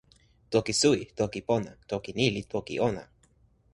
toki suwi. toki pona. toki ni li toki ona.